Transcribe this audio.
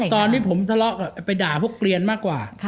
ตอนที่สาเหตุบินไปด่าพวกเกลียนมากกว่า